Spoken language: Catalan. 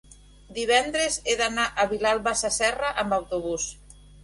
divendres he d'anar a Vilalba Sasserra amb autobús.